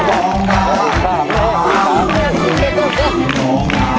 โปรดติดตามต่อไป